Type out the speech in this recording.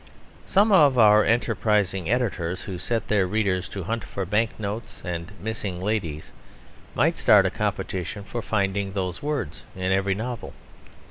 Some of our enterprising editors who set their readers to hunt for banknotes and missing ladies might start a competition for finding those words in every novel.